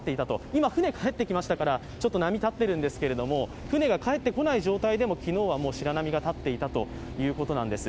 今、船、帰ってきましたけど波が立っていますけども船が帰って来ない状態でも昨日は白波が立っていたということです。